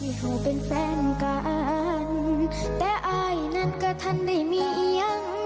ที่เราเป็นแฟนกันแต่อายนั้นก็ทันได้มียังเลย